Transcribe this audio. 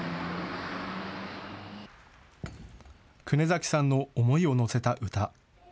久根崎さんの思いをのせた歌。